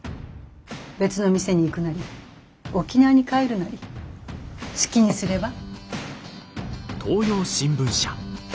別の店に行くなり沖縄に帰るなり好きにすれば？